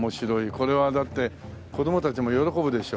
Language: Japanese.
これはだって子供たちも喜ぶでしょ。